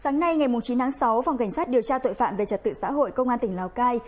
sáng nay ngày chín tháng sáu phòng cảnh sát điều tra tội phạm về trật tự xã hội công an tỉnh lào cai